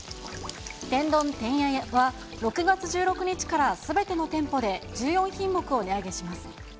天丼てんやは６月１６日からすべての店舗で１４品目を値上げします。